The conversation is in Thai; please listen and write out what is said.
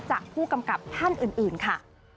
จากผู้กำกับท่านอื่นค่ะ